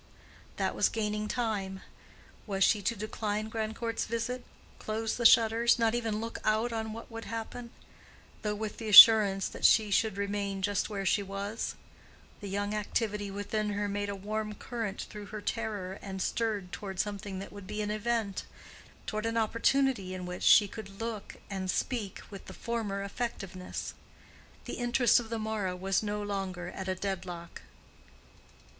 That was gaining time. Was she to decline Grandcourt's visit—close the shutters—not even look out on what would happen?—though with the assurance that she should remain just where she was? The young activity within her made a warm current through her terror and stirred toward something that would be an event—toward an opportunity in which she could look and speak with the former effectiveness. The interest of the morrow was no longer at a deadlock.